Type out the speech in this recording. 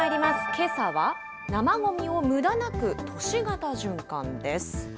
けさは、生ごみをむだなく都市型循環です。